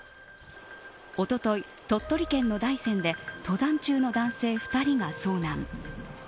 おととい、鳥取県の大山で登山中の男性２人が遭難。